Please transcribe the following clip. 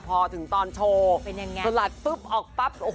พอถึงตอนโชว์สลัดปึ๊บออกปั๊บ